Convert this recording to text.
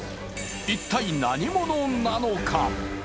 一体、何者なのか。